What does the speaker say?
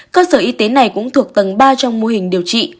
cơ sở y tế này cũng thuộc tầng ba trong mô hình điều trị